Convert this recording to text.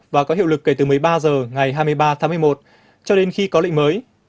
và có hiệu lực kể từ một mươi ba h ngày hai mươi ba tháng một mươi một cho đến khi có lệnh mới